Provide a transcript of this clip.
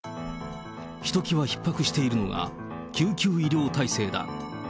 ひときわひっ迫しているのが、救急医療体制だ。